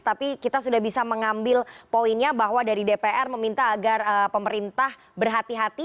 tapi kita sudah bisa mengambil poinnya bahwa dari dpr meminta agar pemerintah berhati hati